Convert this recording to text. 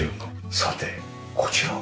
さてこちらは？